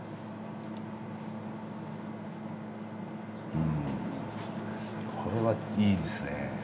うんこれはいいですね。